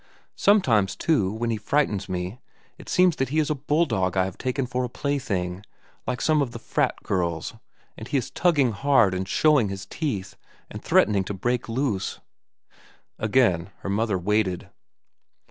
Sometimes, too, when he frightens me, it seems that he is a bulldog I have taken for a plaything, like some of the 'frat' girls, and he is tugging hard, and showing his teeth, and threatening to break loose." Again her mother waited.